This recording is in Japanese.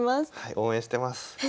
応援してます。